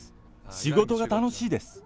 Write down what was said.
仕事が楽しいです。